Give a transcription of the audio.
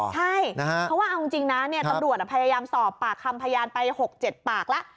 ใช่เพราะว่าเอาจริงนะตำรวจพยายามสอบปากคำพยานไป๖๗ปากแล้ว